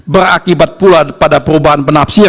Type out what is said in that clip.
berakibat pula pada perubahan penafsiran